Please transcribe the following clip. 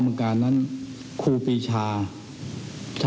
สำหรับการณ์กรณีในส่วนประกันในเมืองสองพ่อวนเมืองกาคน